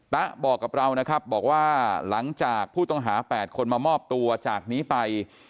ตะบอกกับเรานะครับบอกว่าหลังจากผู้ต้องหา๘คนมามอบตัวจากนี้ไป